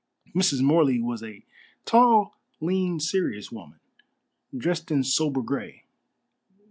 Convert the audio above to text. Mrs. Morley was a tall, lean, serious woman, dressed in sober grey.